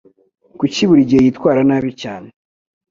Kuki buri gihe yitwara nabi cyane?